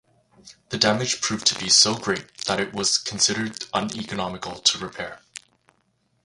The damage proved to be so great that it was considered uneconomical to repair.